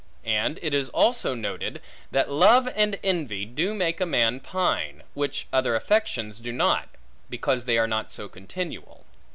And it is also noted, that love and envy do make a man pine, which other affections do not, because they are not so continual.